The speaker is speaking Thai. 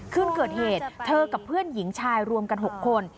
คืนเกิดเหตุเธอกับเพื่อนหญิงชายรวมกัน๖คน